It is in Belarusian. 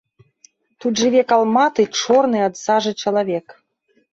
Тут жыве калматы, чорны ад сажы чалавек.